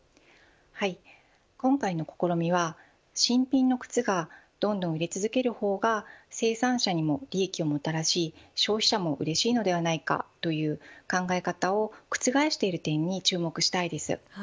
今回の試みは新品の靴がどんどん売れ続ける方が生産性にも利益をもたらし消費者もうれしいのではないかという考え方を覆している点に注目したいです。